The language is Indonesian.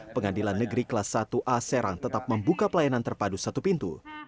pengadilan negeri kelas satu a serang tetap membuka pelayanan terpadu satu pintu